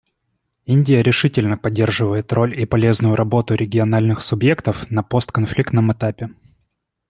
Индия решительно поддерживает роль и полезную работу региональных субъектов на постконфликтном этапе.